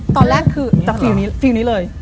ตอนแรกคือตอนแรกคือแต่ฟีลนี้เลย